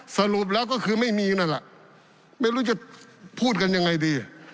สรุปแล้วก็คือไม่มีนั่นแหละไม่รู้จะพูดกันยังไงดี